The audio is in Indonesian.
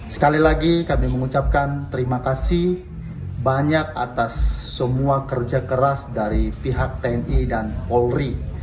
sekali lagi kami mengucapkan terima kasih banyak atas semua kerja keras dari pihak tni dan polri